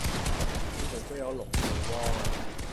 呢度都有龍圖喎